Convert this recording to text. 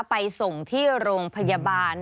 ไปส่งที่โรงพยาบาล